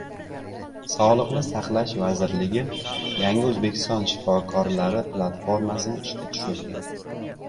Sog‘liqni saqlash vazirligi “Yangi O‘zbekiston shifokorlari” platformasini ishga tushirdi